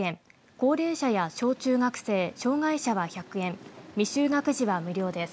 高齢者や小中学生、障害者は１００円未就学児は無料です。